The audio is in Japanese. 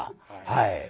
はい。